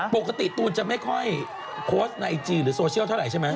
ตูนจะไม่ค่อยโพสต์ในไอจีหรือโซเชียลเท่าไหรใช่ไหม